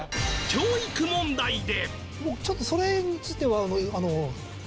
教育問題で